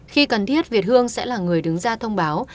khi cần thiết việt hương sẽ là người đứng ra thông báo